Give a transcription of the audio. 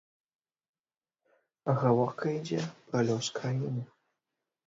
Гаворка ідзе пра лёс краіны.